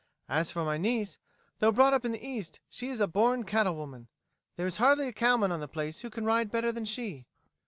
As for my niece, though brought up in the East, she is a born cattle woman. There is hardly a cowman on the place who can ride better than she."